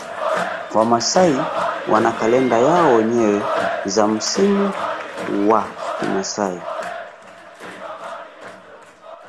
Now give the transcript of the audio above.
Wamasai wana kalenda yao wenyewe za msimu wa kimasai